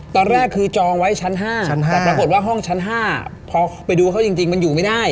ตอนแรกคือจองไว้ชั้น๕แต่ปรากฏว่าห้องชั้น๕พอไปดูเขาจริงมันอยู่ไม่ได้